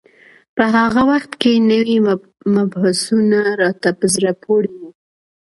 په هغه وخت کې نوي مبحثونه راته په زړه پورې وو.